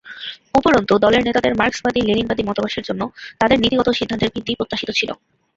উপরন্তু, দলের নেতাদের মার্কসবাদী-লেনিনবাদী মতাদর্শের উপর তাদের নীতিগত সিদ্ধান্তের ভিত্তি প্রত্যাশিত ছিল।